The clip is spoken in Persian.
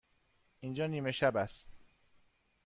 اینجا نیمه شب است.